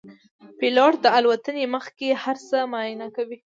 پیلوټ د الوتنې مخکې هر څه معاینه کوي.